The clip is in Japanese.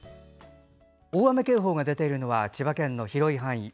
大雨警報が出ているのは千葉県の広い範囲